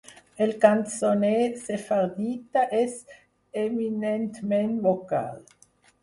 El cançoner sefardita és eminentment vocal.